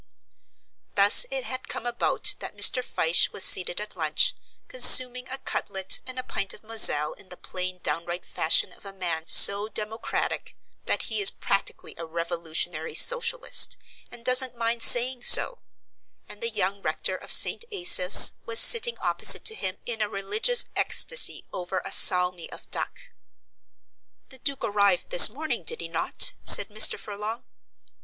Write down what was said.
Thus it had come about that Mr. Fyshe was seated at lunch, consuming a cutlet and a pint of Moselle in the plain downright fashion of a man so democratic that he is practically a revolutionary socialist, and doesn't mind saying so; and the young rector of St. Asaph's was sitting opposite to him in a religious ecstasy over a salmi of duck. "The Duke arrived this morning, did he not?" said Mr. Furlong.